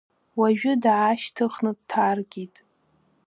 Уажәы даашьҭыхны дҭаркит.